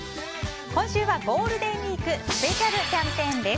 今週はゴールデンウィークスペシャルキャンペーンです。